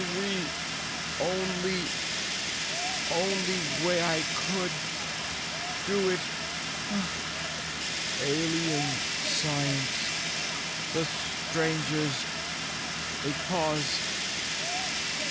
The only only way I could do it Alien science the Strangers a cause.